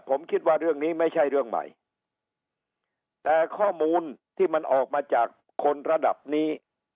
ผมคิดว่าเรื่องนี้ไม่ใช่เรื่องใหม่แต่ข้อมูลที่มันออกมาจากคนระดับนี้